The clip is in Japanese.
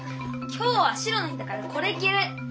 今日は白の日だからこれきる！